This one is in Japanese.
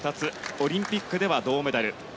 オリンピックでは銅メダル。